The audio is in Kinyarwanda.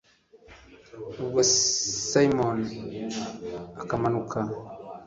ubwo simoni akamanuka